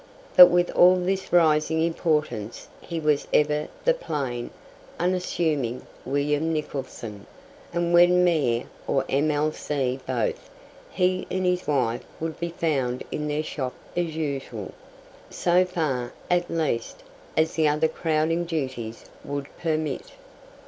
But with all this rising importance he was ever the plain, unassuming William Nicholson, and when Mayor or M.L.C. both he and his wife would be found in their shop as usual so far, at least, as the other crowding duties would permit.